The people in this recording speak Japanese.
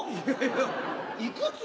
いくつ？